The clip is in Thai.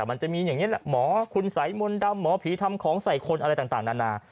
มันจะมีอย่างนี้แหละหมอคุณสายมนต์ดำหมอผีทำของใส่คนอะไรต่างนานา